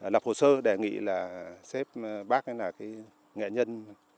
lập hồ sơ đề nghị là xếp bác là cái nghệ nhân